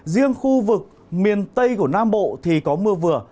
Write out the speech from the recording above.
riêng khu vực miền tây của nam bộ thì có mưa vừa